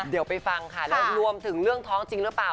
เดี๋ยวไปฟังค่ะแล้วรวมถึงเรื่องท้องจริงหรือเปล่า